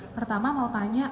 pertama mau tanya